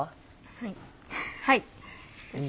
はい。